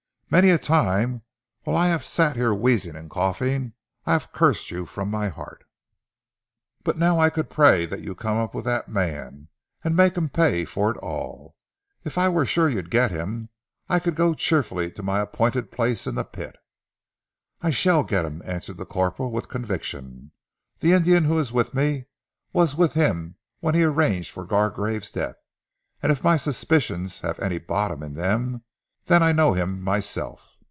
"Many a time while I have sat here wheezing and coughing, I have cursed you from my heart, but now I could pray that you come up with that man, and make him pay for it all. If I were sure you'd get him I could go cheerfully to my appointed place in the pit." "I shall get him," answered the corporal with conviction. "The Indian who is with me was with him when he arranged for Gargrave's death, and if my suspicions have any bottom in them, then I know him myself."